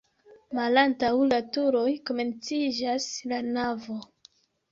Malantaŭ la turoj komenciĝas la navo.